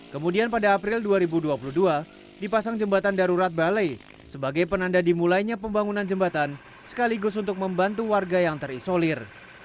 kemudian pada april dua ribu dua puluh dua dipasang jembatan darurat balai sebagai penanda dimulainya pembangunan jembatan sekaligus untuk membantu warga yang terisolir